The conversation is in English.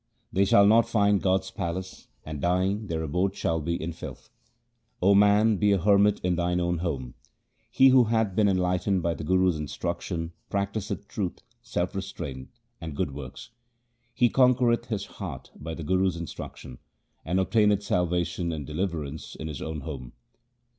They shall not find God's palace, and dying their abode shall be in filth. O man, be a hermit in thine own home. He who hath been enlightened by the Guru's instruction practiseth truth, self restraint, and good works. He conquereth his heart by the Guru's instruction, and obtaineth salvation and deliverance in his own home.